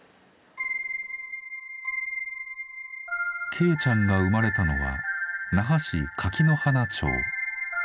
恵ちゃんが生まれたのは那覇市垣花町。